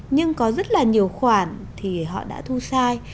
nhưng có rất là nhiều khoản thì họ đã thu sai